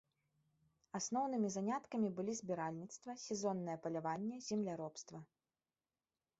Асноўнымі заняткамі былі збіральніцтва, сезоннае паляванне, земляробства.